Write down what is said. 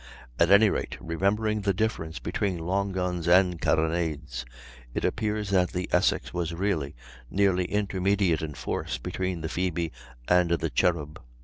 At any rate, remembering the difference between long guns and carronades, it appears that the Essex was really nearly intermediate in force between the Phoebe and the Cherub.